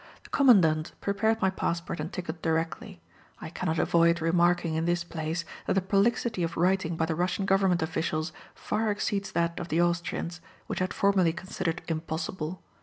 The commandant prepared my passport and ticket directly. I cannot avoid remarking in this place that the prolixity of writing by the Russian government officials far exceeds that of the Austrians, which I had formerly considered impossible.